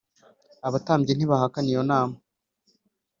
Abatambyi ntibahakana iyo nama